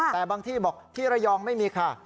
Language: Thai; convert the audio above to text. แต่บางที่บอกที่ระยองไม่มีค่ะ